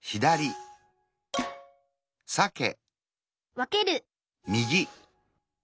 わける